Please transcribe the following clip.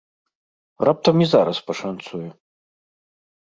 Раптам і зараз пашанцуе?